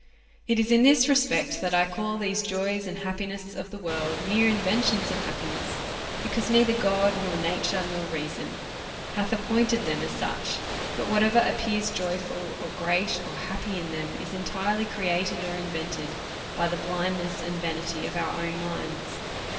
It is in this respect that 1 call these joys and happiness of the"world mere inventions of happiness, because neither God, nor nature, nor reason, hath appointed them as such ; but whatever appears joyful, or great, or happy in them, is entirely created or invented by the blindness and vanity of our own minds.